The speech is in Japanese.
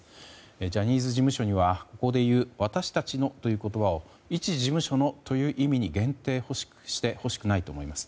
ジャニーズ事務所にはここでいう私たちのという言葉を一事務所のという意味に限定してほしくないと思います。